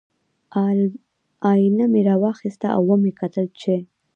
ائینه مې را واخیسته او ومې کتل چې